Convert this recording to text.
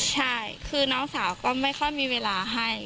ใช่คือน้องสาวก็ไม่ค่อยมีเวลาให้